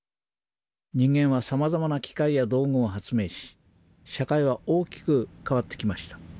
人間はさまざまな機械や道具を発明し社会は大きく変わってきました。